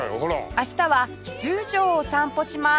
明日は十条を散歩します